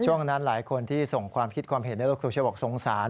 ช่วงนั้นหลายคนที่ส่งความคิดความเห็นเรื่องรักษาบัตรสงสาร